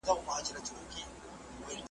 نه منزل چاته معلوم دی نه منزل ته څوک رسیږي ,